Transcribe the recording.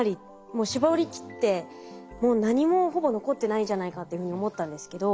もう絞りきってもう何もほぼ残ってないんじゃないかっていうふうに思ったんですけど。